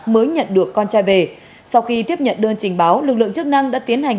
mới nhận được con trai về sau khi tiếp nhận đơn trình báo lực lượng chức năng đã tiến hành